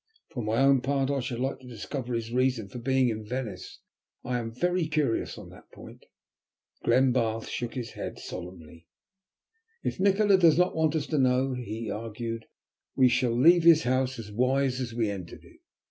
"For my own part I should like to discover his reason for being in Venice. I am very curious on that point." Glenbarth shook his head solemnly. "If Nikola does not want us to know," he argued, "we shall leave his house as wise as we entered it.